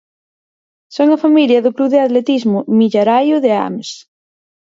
Son a familia do club de atletismo Millaraio de Ames.